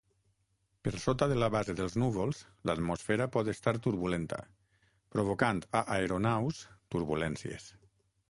Per sota de la base dels núvols, l'atmosfera pot estar turbulenta, provocant a aeronaus, turbulències.